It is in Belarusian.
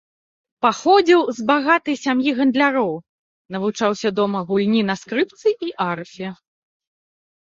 Паходзіў з багатай сям'і гандляроў, навучаўся дома гульні на скрыпцы і арфе.